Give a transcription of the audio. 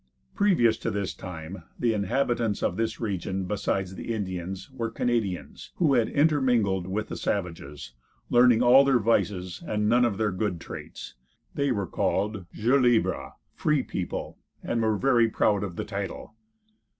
Previous to this time the inhabitants of this region, besides the Indians, were Canadians, who had intermingled with the savages, learning all their vices and none of their good traits. They were called "Gens Libre," free people, and were very proud of the title.